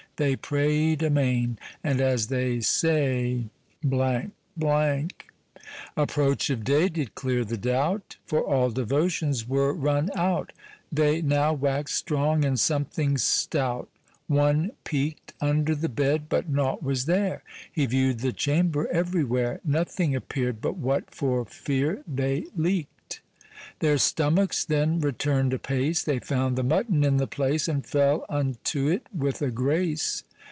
They pray'd amain; and, as they say, ———— Approach of day did cleere the doubt, For all devotions were run out, They now waxt strong and something stout, One peaked Under the bed, but nought was there; He view'd the chamber ev'ry where, Nothing apear'd but what, for feare. vThey leaked. Their stomachs then return'd apace, They found the mutton in the place, And fell unto it with a grace.